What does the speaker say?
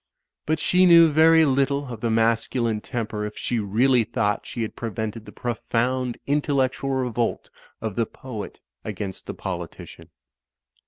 But she knew very little of the masculine temper if she really thought she had pre vented the profotind intellectual revolt of the poet against the politician.